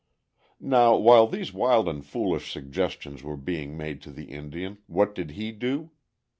Now, while these wild and foolish suggestions were being made to the Indian, what did he do?